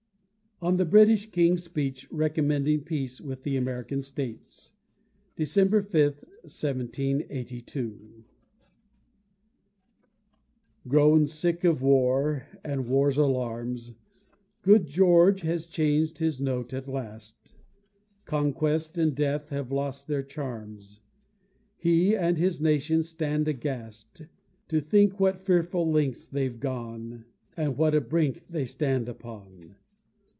ON THE BRITISH KING'S SPEECH RECOMMENDING PEACE WITH THE AMERICAN STATES [December 5, 1782] Grown sick of war, and war's alarms, Good George has changed his note at last Conquest and death have lost their charms; He and his nation stand aghast, To think what fearful lengths they've gone, And what a brink they stand upon.